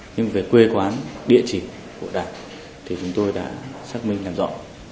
nhưng về quê quán địa chỉ của đạt thì chúng tôi đã xác minh làm rõ